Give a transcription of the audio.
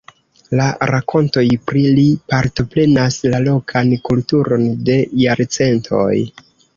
La rakontoj pri li partoprenas la lokan kulturon de jarcentoj.